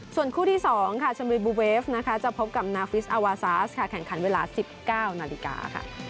ส่วนคู่ที่สองชำลีบวิวเวฟจะพบกับนาฟิสอาวาซาสแข่งขันเวลา๑๙นาฬิกา